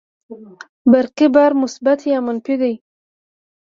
برقي بار مثبت یا منفي وي.